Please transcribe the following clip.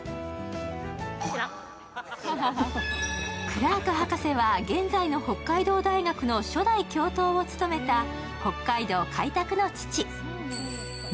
クラーク博士は現在の北海道大学の初代教頭を務めた北海道開拓の父。